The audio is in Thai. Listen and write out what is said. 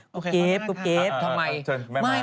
กุบกีบกุบกีบ